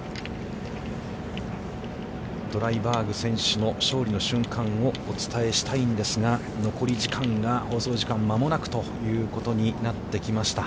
ドライバーグ選手の勝利の瞬間をお伝えしたいんですが、残り時間が、放送時間、間もなくということになってきました。